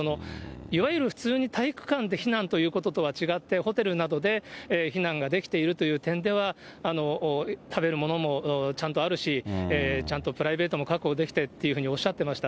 いわゆる普通に体育館で避難ということとは違って、ホテルなどで避難ができているという点では、食べるものもちゃんとあるし、ちゃんとプライベートも確保できてっていうふうにおっしゃっていました。